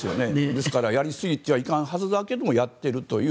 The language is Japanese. ですからやりすぎちゃいかんはずだけどやっているという。